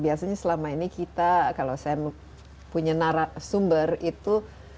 biasanya selama ini kita kalau saya punya narasumber itu